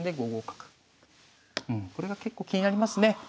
うんこれが結構気になりますね。